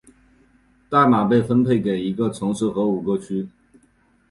代码被分配给一个城市和五个区。